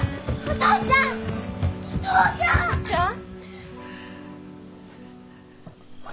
お父ちゃん！